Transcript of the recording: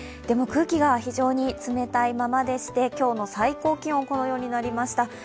でも空気が非常に冷たいままでして今日の最高気温、このようになりました。